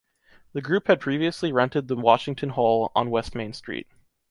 The group had previously rented the Washington Hall on West Main Street.